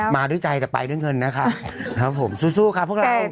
มาด้วยใจแต่ไปด้วยเงินนะครับผมสู้ครับพวกเรา